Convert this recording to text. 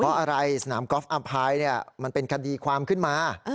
เพราะสถานกรอฟท์อัมภายมันเป็นการดีความขึ้นมา